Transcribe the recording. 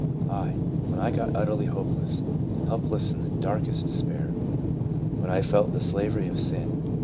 /.." When I got utterly hopeless, help less, in the darkest despair, when I felt the slavery of sin